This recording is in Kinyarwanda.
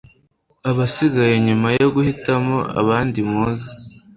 abasigaye nyuma yo guhitamo abandi muze